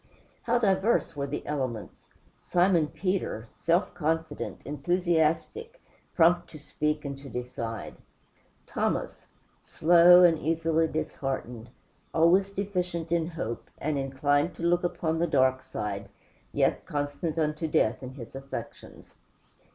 How diverse were the elements! Simon Peter, self confident, enthusiastic, prompt to speak and to decide. Thomas, slow and easily disheartened; always deficient in hope, and inclined to look upon the dark side, yet constant unto death in his affections.